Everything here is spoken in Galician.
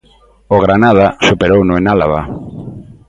O Granada superouno en Álava.